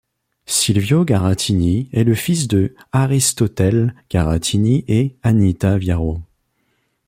Silvio Garattini est le fils de Aristotele Garattini e Anita Viaro.